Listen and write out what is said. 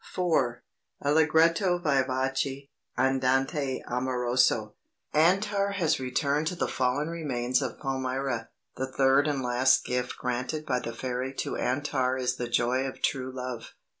IV [Allegretto vivace; andante amoroso] "Antar has returned to the fallen remains of Palmyra. The third and last gift granted by the fairy to Antar is the joy of true love.